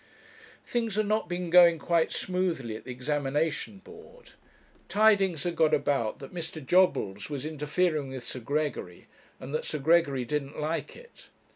Things had not been going quite smoothly at the Examination Board. Tidings had got about that Mr. Jobbles was interfering with Sir Gregory, and that Sir Gregory didn't like it.